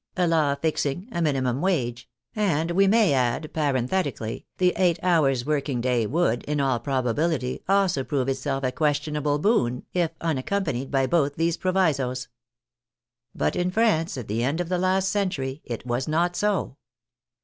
a law fixing a minimum wage— and, we may add, parenthetically, the eight hours working day would, in all probability, also prove itself a questionable boon if unaccompanied by both these provisos. But in France at the end of the last century it was not so.